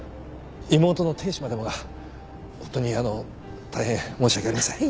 妹の亭主までもがホントに大変申し訳ありません。